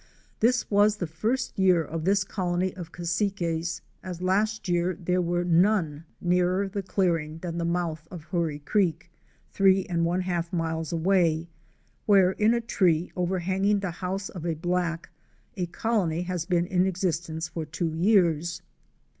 This was the first year of this colony of Cassiques, as last year there were none nearer the clearing than the mouth of Hoorie Creek, Fic. 88. Nests or RED BACKED CASSIQUES. three and one half miles away, where in a tree, overhanging the house of a black, a colony has been in existence for two years.